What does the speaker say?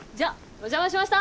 お邪魔しました。